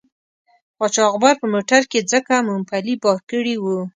قاچاقبر په موټر کې ځکه مومپلي بار کړي وو.